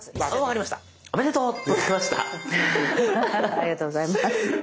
ありがとうございます。